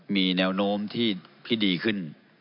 มีแนวโน้มที่ดีขึ้น